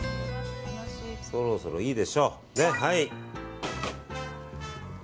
そろそろいいでしょう。